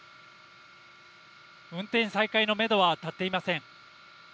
運転再開のメドは立っていません。